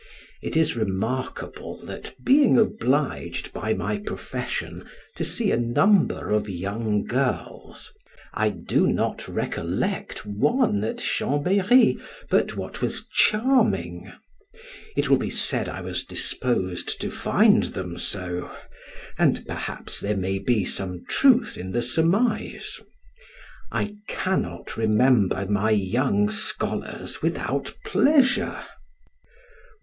It is remarkable, that being obliged by my profession to see a number of young girls, I do not recollect one at Chambery but what was charming: it will be said I was disposed to find them so, and perhaps there maybe some truth in the surmise. I cannot remember my young scholars without pleasure.